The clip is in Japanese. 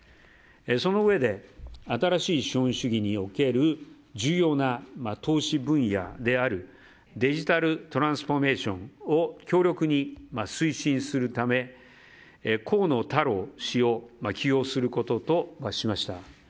そのうえで新しい資本主義における重要な投資分野であるデジタル・トランスフォーメーションを強力に推進するため河野太郎氏を起用することとしました。